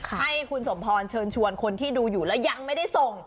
ให้คุณสมพรเชิญชวนคนที่ดูอยู่แล้วยังไม่ได้ส่ง